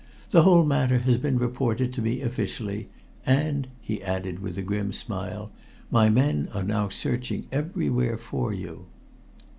The whole matter has been reported to me officially, and," he added with a grim smile, "my men are now searching everywhere for you."